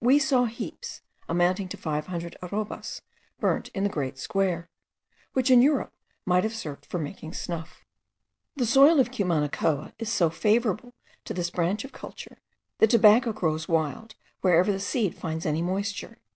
We saw heaps, amounting to five hundred arobas, burnt in the great square, which in Europe might have served for making snuff. The soil of Cumanacoa is so favourable to this branch of culture, that tobacco grows wild, wherever the seed finds any moisture.